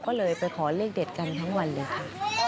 ก็เลยไปขอเลขเด็ดกันทั้งวันเลยค่ะ